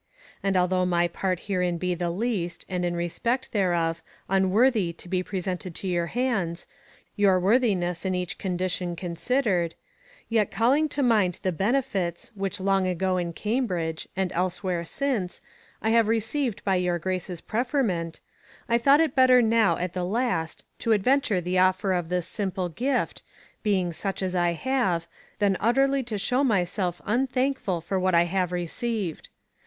A nd although my part herein be the least, and in respect thereof, vnwoorthye to be presented to your hands, your woorthines in eche condition considered: yet calling to mynde the beneftes, which long ago in Cambridge, and els where since, I haue receyued by your Graces preferment : 1 thought it better nowe at the last, to adum, ture the offer of this simple gift, being such as I haue, than vtterly to shetve my self vnthankeful for that I haue receyued.